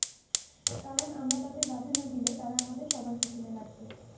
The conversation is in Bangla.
কারণ আমরা তাদের বাধা না দিলে তারা আমাদের সবার পিছনে লাগবে।